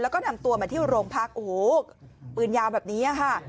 แล้วก็นำตัวมาที่โรงพักโอ้โหปืนยาวแบบนี้ค่ะ